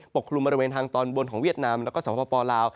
กลุ่มบริเวณทางตอนบนของเวียดนามแล้วก็สวพปลาว